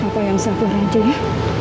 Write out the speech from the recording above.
papa yang sabar aja ya